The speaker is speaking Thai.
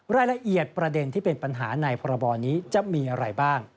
รายละเอียดประเด็นที่เป็นปัญหาในพรบนี้จะมีอะไรบ้าง